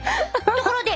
ところで！